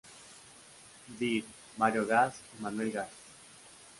Dir: Mario Gas y Manuel Gas.